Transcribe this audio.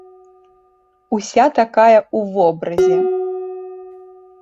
Уся такая ў вобразе.